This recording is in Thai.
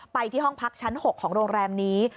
ไปที่ห้องพักชั้น๖ของโรงแรมนี้